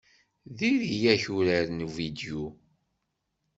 Diri-yak uraren uvidyu.